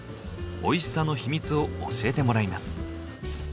おいしさのヒミツを教えてもらいます。